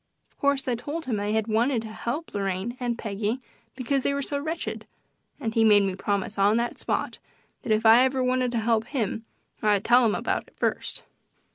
Of course I told him that I had wanted to help Lorraine and Peggy because they were so wretched, and he made me promise on the spot that if ever I wanted to help him I'd tell him about it first.